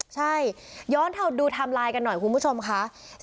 ใช่ย้อนเท่าดูทำลายกันหน่อยคุณผู้ชมค่ะ